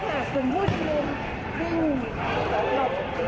เพราะตอนนี้ก็ไม่มีเวลาให้เข้าไปที่นี่